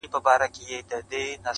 لا لکه غر پر لمن کاڼي لري،